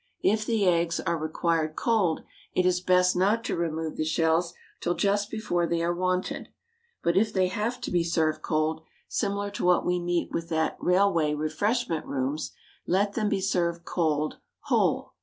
If the eggs are required cold, it is best not to remove the shells till just before they are wanted; but if they have to be served cold, similar to what we meet with at railway refreshment rooms, let them be served cold, whole.